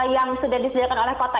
yang sudah disediakan oleh kota